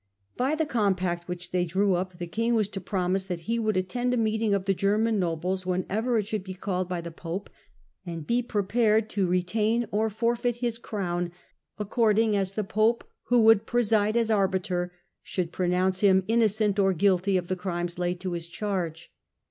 By the compact which they drew up the king was to promise that he would attend a meeting of the German nobles whenever it should be called by the pope, and be prepared to retain or forfeit his crown according as the pope, who would preside as arbiter, should pronounce him innocent or guilty of the crimes laid to his charge.